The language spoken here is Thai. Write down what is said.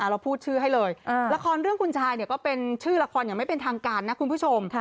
เราพูดชื่อให้เลยละครเรื่องคุณชายก็เป็นชื่อละครอย่างไม่เป็นทางการนะคุณผู้ชม